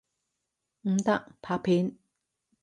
唔得，拍片！